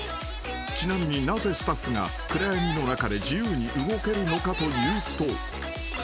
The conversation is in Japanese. ［ちなみになぜスタッフが暗闇の中で自由に動けるのかというと］